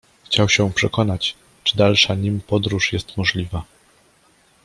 Chciał się przekonać, czy dalsza nim podróż jest możliwa.